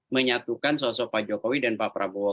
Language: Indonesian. menyatukan sosok pak jokowi dan pak prabowo